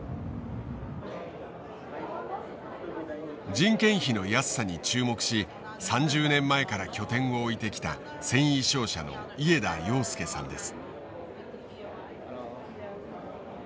人件費の安さに注目し３０年前から拠点を置いてきた繊維商社の家田洋輔さんです。